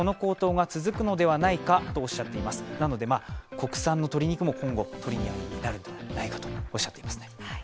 国産の鶏肉も今後取り合いになるのではないかとおっしゃっていますね。